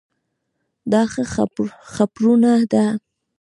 دا ښه خپرونه ده؟